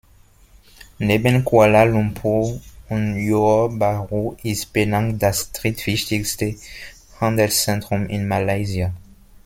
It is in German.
Neben Kuala Lumpur und Johor Bahru ist Penang das drittwichtigste Handelszentrum in Malaysia.